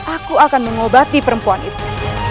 aku akan mengobati perempuan itu